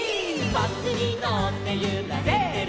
「バスにのってゆられてる」